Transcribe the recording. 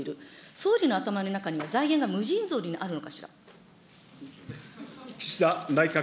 総理の頭の中には財源が無尽蔵にあるのかしら。